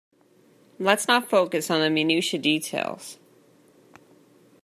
Let's not focus on the Minutiae details.